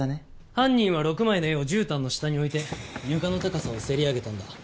犯人は６枚の絵をじゅうたんの下に置いて床の高さをせり上げたんだ。